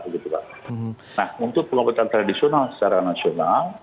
nah untuk pengobatan tradisional secara nasional